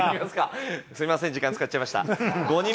すみません、時間使っちゃいました。